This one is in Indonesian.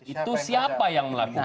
itu siapa yang melakukan